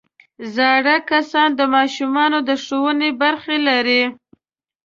زاړه کسان د ماشومانو د ښوونې برخه لري